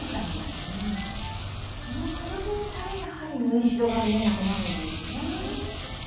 このくるりんぱでやはり縫い代が見えなくなるんですね。